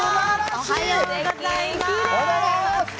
おはようございます。